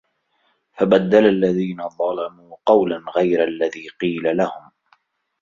فَبَدَّلَ الَّذِينَ ظَلَمُوا قَوْلًا غَيْرَ الَّذِي قِيلَ لَهُمْ